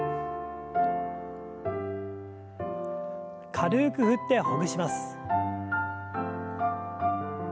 軽く振ってほぐします。